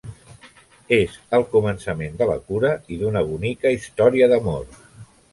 És el començament de la cura i d'una bonica història d'amor.